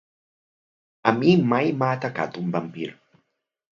A mi mai m'ha atacat un vampir.